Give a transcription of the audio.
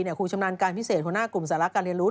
ครูชำนาญการพิเศษหัวหน้ากลุ่มสาระการเรียนรู้